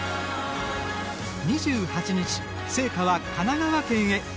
２８日、聖火は神奈川県へ。